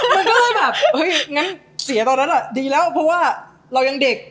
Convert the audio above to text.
มันก็เลยแบบเฮ้ยงั้นเสียตอนนั้นดีแล้วเพราะว่าเรายังเด็ก